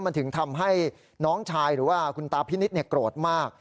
มันถึงทำให้น้องชายหรือว่าคุณตาพินิษฐ์โกรธมาก